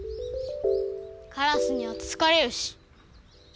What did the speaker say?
カラスにはつつかれるし。